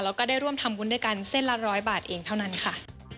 แล้วก็ได้ร่วมทำบุญด้วยกันเส้นละ๑๐๐บาทเองเท่านั้นค่ะ